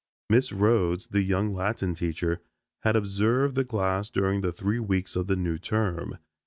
Miss Rhodes, the young Latin teacher, had observed the class during the three weeks of the new term.